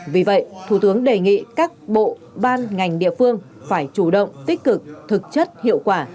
vì vậy thủ tướng đề nghị các bộ ban ngành địa phương phải chủ động tích cực thực chất hiệu quả